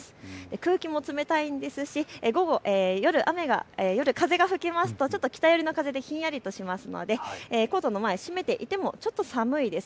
空気も冷たいですし夜、風が吹きますとちょっと北寄りの風でひんやりとしますのでコートの前、閉めていてもちょっと寒いです。